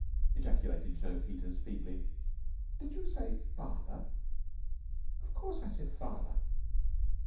ejaculated Jno. Peters feebly. "Did you say 'father'?" "Of course I said 'father'!"